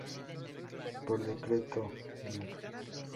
Por Decreto Nro.